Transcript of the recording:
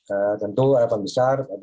ee tentu harapan besar